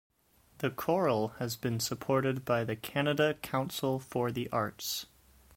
The Chorale has been supported by the Canada Council for the Arts.